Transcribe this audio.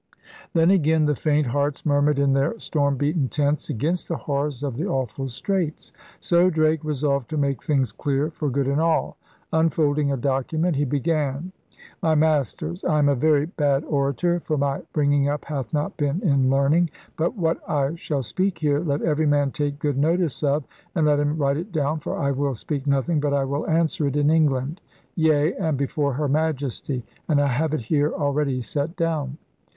Then, again, the faint hearts murmured in their storm beaten tents against the horrors of the awful Straits. So Drake resolved to make things clear for good and all. Unfolding a document he began: *My Masters, I am a very bad orator, for my bringing up hath not been in learning, but what I shall speak here let every man take good notice of and let him write it down; for I will speak nothing but I will answer it in England, yea, and before Her Majesty, and I have it here already set down.'